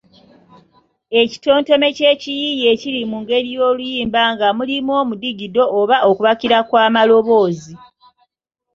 Ekitontome kye kiyiiye ekiri mu ngeri y’oluyimba nga mulimu omudigido, oba okubakira kw’amaloboozi